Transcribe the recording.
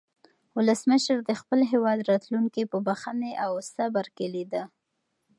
ولسمشر د خپل هېواد راتلونکی په بښنې او صبر کې لیده.